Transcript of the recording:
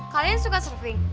kalian suka surfing